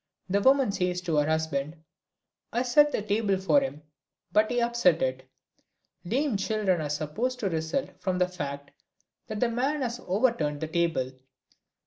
The woman says of her husband, "I set the table for him, but he upset it." Lame children are supposed to result from the fact that the man has overturned the table.